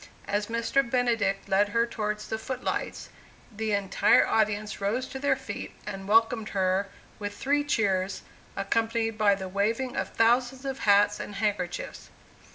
As Mr. Benedict led her towards the foot lights, the entire audience rose to their feet and welcomed her with three cheers, accompanied by the waving of thousands of hats and handkerchiefs.